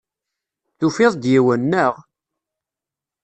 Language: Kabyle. Tufid-d yiwen, naɣ?